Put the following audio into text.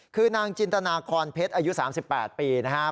คือนางจินตาณาคลอลเพชรอายุ๓๘ปีนะฮะ